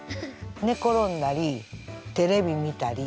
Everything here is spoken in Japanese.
寝転んだりテレビ見たり。